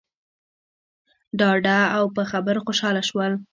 ډاډه او په خبرو خوشحاله شول.